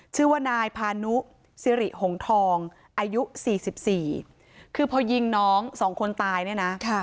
ชื่อว่านายพานุสิริหงทองอายุสี่สิบสี่คือพอยิงน้องสองคนตายเนี้ยน่ะค่ะ